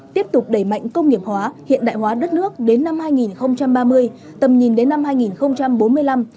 tiếp tục đẩy mạnh công nghiệp hóa hiện đại hóa đất nước đến năm hai nghìn ba mươi tầm nhìn đến năm hai nghìn bốn mươi năm